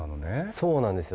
そうなんですよ。